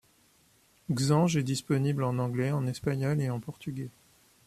Xange est disponible en anglais, en espagnol et en portugais.